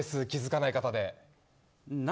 気づかない方で。